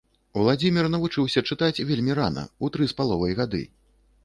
Уладзімір навучыўся чытаць вельмі рана, у тры з паловай гады